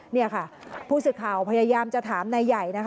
นี่ค่ะผู้สื่อข่าวพยายามจะถามนายใหญ่นะคะ